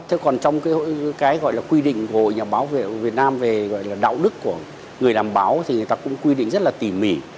thế còn trong cái gọi là quy định của nhà báo việt nam về gọi là đạo đức của người làm báo thì người ta cũng quy định rất là tỉ mỉ